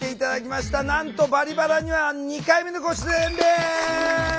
なんと「バリバラ」には２回目のご出演です！